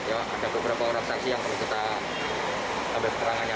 ada beberapa orang saksi yang perlu kita ambil keterangannya